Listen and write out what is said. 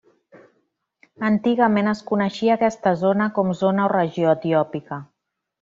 Antigament es coneixia aquesta zona com zona o regió etiòpica.